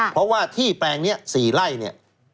เพราะว่าที่แปลงนี้๔ไร่